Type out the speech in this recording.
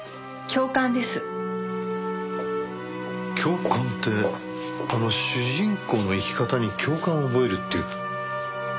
共感ってあの主人公の生き方に共感を覚えるっていうあの？